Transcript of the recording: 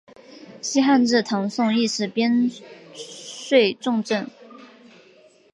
西汉至唐宋亦是边睡重镇。